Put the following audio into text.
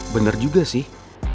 bener juga sih